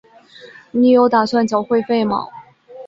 你有打算缴会费吗？